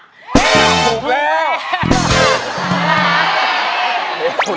แฮ่ถูกแล้ว